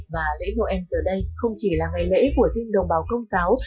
và lễ noel giờ đây không chỉ là ngày lễ của riêng đồng bào công giáo